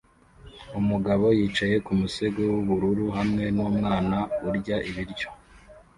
Umugabo yicaye ku musego w'ubururu hamwe n'umwana urya ibiryo